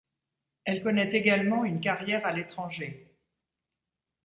Elle connait également une carrière à l'étranger.